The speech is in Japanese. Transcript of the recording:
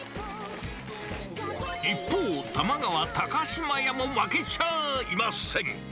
一方、玉川高島屋も負けちゃいません。